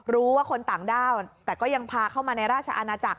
รู้ว่าคนต่างด้าวแต่ก็ยังพาเข้ามาในราชอาณาจักร